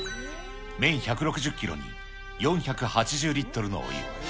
麺１６０キロに４８０リットルのお湯。